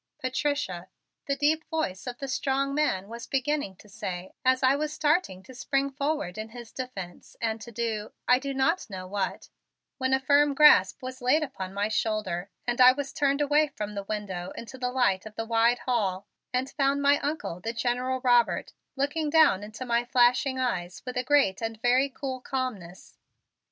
"Patricia " the deep voice of the strong man was beginning to say as I was starting to spring forward in his defense and to do I do not know what when a firm grasp was laid upon my shoulder and I was turned away from the window into the light of the wide hall and found my Uncle, the General Robert, looking down into my flashing eyes with a great and very cool calmness.